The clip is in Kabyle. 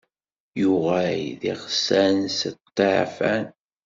Yuɣal d iɣsan si ṭṭiɛfan.